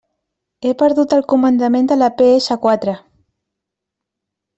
He perdut el comandament de la pe essa quatre.